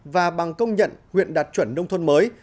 và bằng công nhận huyện đạt chuẩn nông thôn mới